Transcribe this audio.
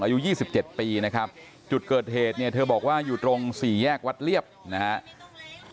อายุ๒๗ปีนะครับจุดเกิดเหตุเนี่ยเธอบอกว่าอยู่ตรงสี่แยกวัดเรียบนะครับ